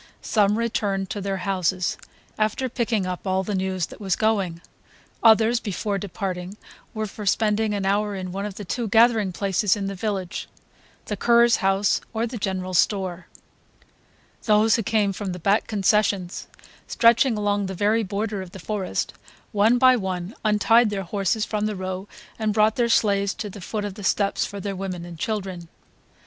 Some returned to their houses, after picking up all the news that was going; others, before departing, were for spending an hour in one of the two gathering places of the village; the curé's house or the general store. Those who came from the back concessions, stretching along the very border of the forest, one by one untied their horses from the row and brought their sleighs to the foot of the steps for their women and children.